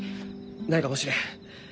ないかもしれん。